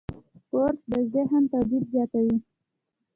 کورس د ذهن تولید زیاتوي.